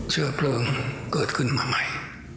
เชื้อเพลิงเกิดขึ้นใหม่